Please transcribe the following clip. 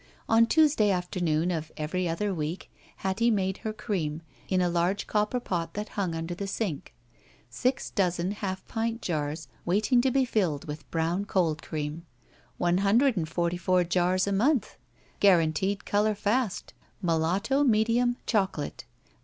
On Tuesday afternoon of every other week Hattie made her cream, in a large copper pot that himg imder the sink. Six dozen half pint jars waiting to be filled with Brown Cold Cream. One himdred and forty four jars a month. Guaranteed Color fast. Mulatto, Medium, Choco late.